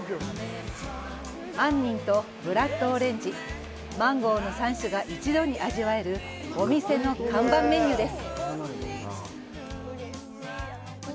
杏仁とブラッドオレンジマンゴーの３種が一度に味わえるお店の看板メニューです。